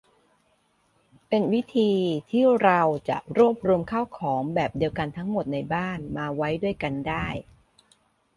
เป็นวิธีที่เราจะรวบรวมข้าวของแบบเดียวกันทั้งหมดในบ้านมาไว้ด้วยกันได้